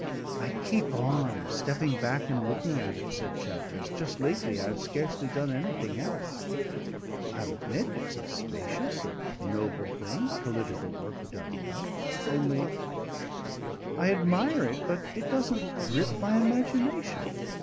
"I keep on, stepping back and looking at it," said Chatteris. "Just lately I've scarcely done anything else. I'll admit it's a spacious and noble thing political work done well only I admire it, but it doesn't grip my imagination.